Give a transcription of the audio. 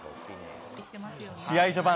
試合序盤